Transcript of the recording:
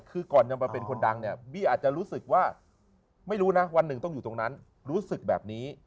คือก่อนจะมาเป็นคนดังเนี่ยบี้อาจจะรู้สึกว่าไม่รู้นะวันหนึ่งต้องอยู่ตรงนั้นรู้สึกแบบนี้